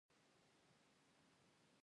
یو کال غنم یو کال نخود.